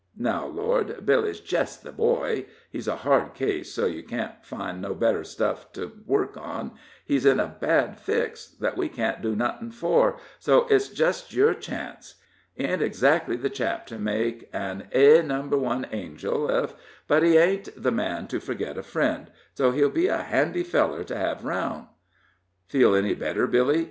Now, Lord, Billy's jest the boy he's a hard case, so you can't find no better stuff to work on he's in a bad fix, thet we can't do nuthin' fur, so it's jest yer chance. He ain't exactly the chap to make an A Number One Angel ef, but he ain't the man to forget a friend, so he'll be a handy feller to hev aroun'." "Feel any better, Billy?"